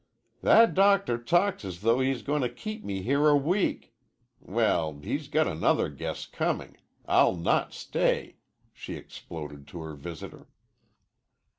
"That doctor talks as though he's going to keep me here a week. Well, he's got another guess coming. I'll not stay," she exploded to her visitor.